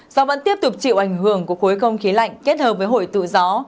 gió vẫn tiếp tục chịu ảnh hưởng của khối không khí lạnh kết hợp với hồi tụ gió